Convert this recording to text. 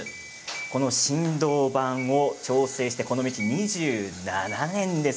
この振動板を調整してこの道２７年です。